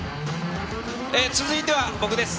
続いては、僕です。